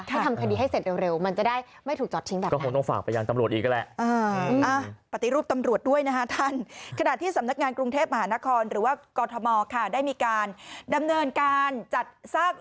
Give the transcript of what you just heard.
ให้ทำคดีให้เสร็จเร็วมันจะได้ไม่ถูกจอดทิ้งแบบนี้